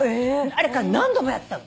あれから何度もやったの。